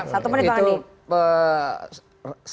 satu menit pak anies